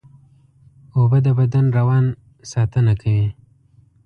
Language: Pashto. اوبه د بدن روان ساتنه کوي